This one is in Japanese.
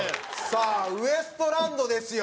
さあウエストランドですよ。